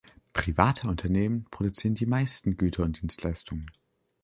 Private Unternehmen produzieren die meisten Güter und Dienstleistungen.